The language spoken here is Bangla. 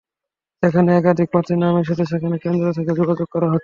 যেখানে একাধিক প্রার্থীর নাম এসেছে, সেখানে কেন্দ্র থেকে যোগাযোগ করা হচ্ছে।